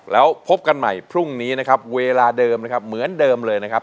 แล้วพบกันใหม่พรุ่งนี้นะครับเวลาเดิมนะครับเหมือนเดิมเลยนะครับ